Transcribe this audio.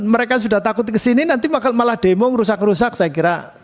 mereka sudah takut kesini nanti malah demo merusak rusak saya kira